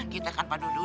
kita kan pada udah tua